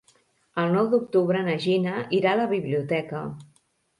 El nou d'octubre na Gina irà a la biblioteca.